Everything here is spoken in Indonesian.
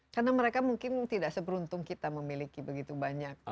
karena mereka mungkin tidak seperuntung kita memiliki begitu banyak